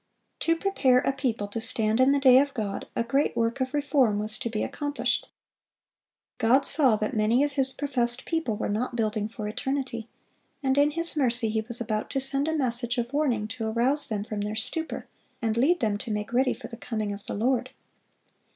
(503) To prepare a people to stand in the day of God, a great work of reform was to be accomplished. God saw that many of His professed people were not building for eternity, and in His mercy He was about to send a message of warning to arouse them from their stupor, and lead them to make ready for the coming of the Lord.